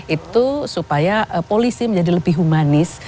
itu supaya polisi menjadi lebih humanis